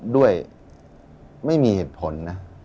ด้วยไม่มีเหตุผลนะ